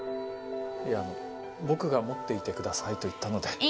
いやあの僕が持っていてくださいと言ったので。